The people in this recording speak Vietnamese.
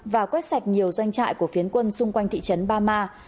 và quét sạch nhiều doanh trại của phiến quân xung quanh thị trấn bama